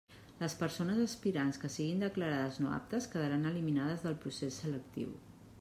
Les persones aspirants que siguin declarades no aptes quedaran eliminades del procés selectiu.